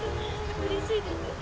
うれしいです。